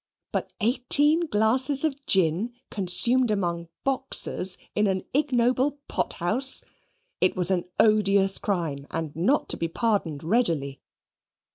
But eighteen glasses of gin consumed among boxers in an ignoble pot house it was an odious crime and not to be pardoned readily.